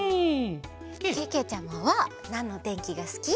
けけちゃまはなんのてんきがすき？